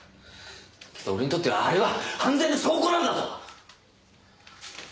けど俺にとってはあれは犯罪の証拠なんだぞ！